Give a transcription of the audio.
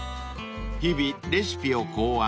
［日々レシピを考案］